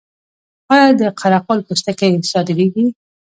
آیا د قره قل پوستکي صادریږي؟